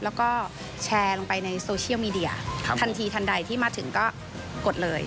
แล้วก็แชร์ลงไปในโซเชียลมีเดียทันทีทันใดที่มาถึงก็กดเลย